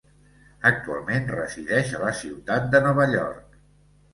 Actualment resideix a la ciutat de Nova York.